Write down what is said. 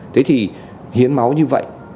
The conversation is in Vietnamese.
thế thì hiến máu như vậy